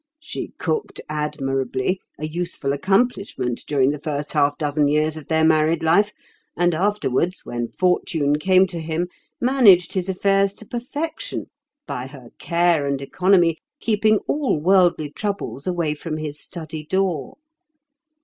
She cooked admirably—a useful accomplishment during the first half dozen years of their married life; and afterwards, when fortune came to him, managed his affairs to perfection, by her care and economy keeping all worldly troubles away from his study door.